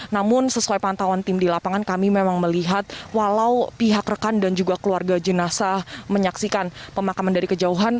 namun sesuai pantauan tim di lapangan kami memang melihat walau pihak rekan dan juga keluarga jenazah menyaksikan pemakaman dari kejauhan